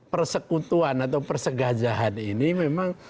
persekutuan atau persegajahan ini memang